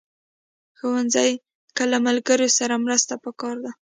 ښوونځی کې له ملګرو سره مرسته پکار ده